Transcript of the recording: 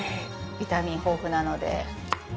ビタミン豊富なので。